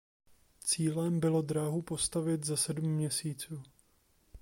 Cílem bylo dráhu postavit za sedm měsíců.